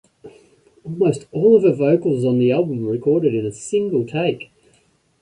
Almost all of her vocals on the album were recorded in a single take.